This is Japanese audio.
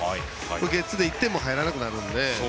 ゲッツーで１点も入らなくなるので。